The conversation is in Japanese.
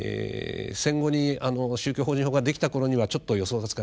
戦後に宗教法人法ができたころにはちょっと予想がつかなかった。